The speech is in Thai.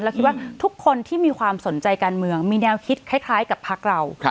แล้วคิดว่าทุกคนที่มีความสนใจการเมืองมีแนวคิดคล้ายกับพักเรา